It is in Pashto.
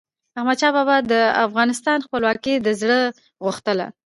احمدشاه بابا به د افغانستان خپلواکي له زړه غوښتله.